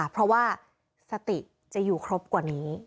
เพราะว่าสติจะอยู่ครบกว่านี้